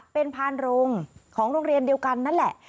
เป็นพานโรงของโรงเรียนเดียวกันนั่นแหละ